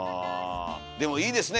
でもいいですね